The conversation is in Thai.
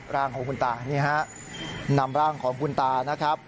ร่างของคุณตานี่ฮะนำร่างของคุณตานะครับ